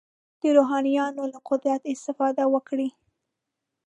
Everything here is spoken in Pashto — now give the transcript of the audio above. د روحانیونو له قدرت استفاده وکړي.